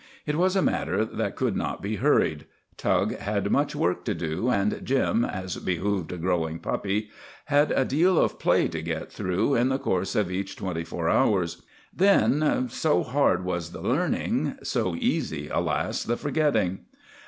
It was a matter that could not be hurried. Tug had much work to do and Jim, as behoved a growing puppy, had a deal of play to get through in the course of each twenty four hours. Then so hard was the learning, so easy, alas! the forgetting.